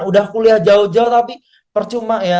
udah kuliah jauh jauh tapi percuma ya